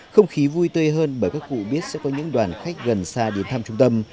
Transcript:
không khí vui tươi hơn bởi các cụ biết sẽ có những đoàn khách gần xa đến thăm trung tâm